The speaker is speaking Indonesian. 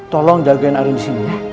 tolong jagain arin disini ya